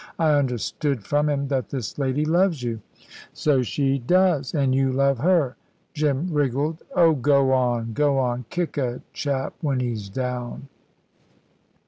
I understood from him that this lady loves you." "So she does." "And you love her?" Jim wriggled. "Oh, go on go on! Kick a chap when he's down!"